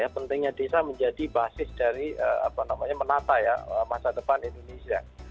pentingnya desa menjadi basis dari menata masa depan indonesia